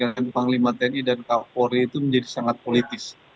dengan panglima tni dan kapolri itu menjadi sangat politis